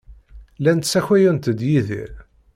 Llant ssakayent-d Yidir.